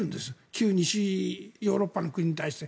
旧西ヨーロッパの国に対して。